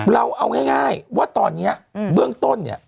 เราเอาง่ายว่าตอนนี้เบื้องต้นเนี่ย